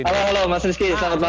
halo mas rizky selamat malam